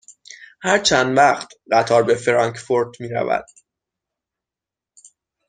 هر چند وقت قطار به فرانکفورت می رود؟